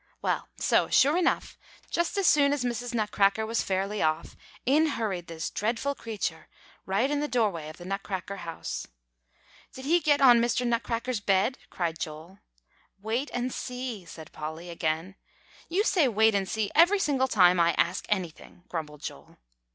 "Well, so, sure enough, just as soon as Mrs. Nutcracker was fairly off, in hurried this dreadful creature, right in the doorway of the Nutcracker house." "Did he get on Mr. Nutcracker's bed?" cried Joel. "Wait, and see," said Polly again. "You say, 'wait and see,' every single time I ask anything," grumbled Joel.